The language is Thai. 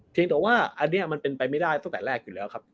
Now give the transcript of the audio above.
แต่ว่าอันนี้มันเป็นไปไม่ได้ตั้งแต่แรกอยู่แล้วครับ